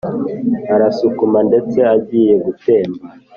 arasukuma ndetse agiye gutemba,